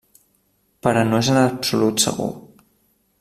Però no és en absolut segur.